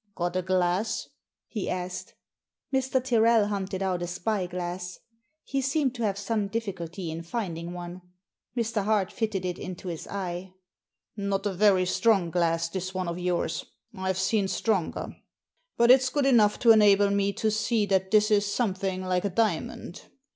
" Got a glass ?" he asked. Mr. Tyrrel hunted out a spy glass. He seemed to have some difficulty in finding one. Mr. Hart fitted it into his eye. " Not a very strong glass, this one of yours ; I've seen stronger. But it's good enough to enable me to see that this is something like a diamond.